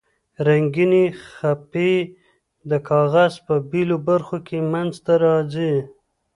رنګینې خپې د کاغذ په بیلو برخو کې منځ ته راځي.